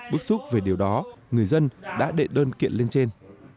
bức xúc về điều đó người dân đã đệ đơn kiện lên trên